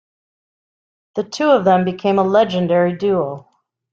The two of them became a legendary duo.